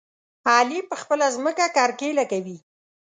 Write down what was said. علي په خپله ځمکه کرکيله کوي.